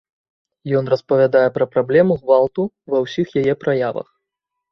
Ён распавядае пра праблему гвалту ва ўсіх яе праявах.